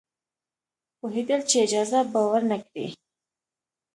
پوهېدل چې اجازه به ورنه کړي.